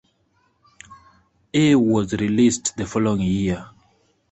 A was released the following year.